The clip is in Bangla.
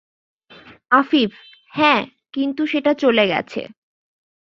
আফিফ: হ্যাঁ, কিন্তু সেটা চলে গেছে।